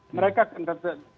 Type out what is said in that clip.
mereka akan tetap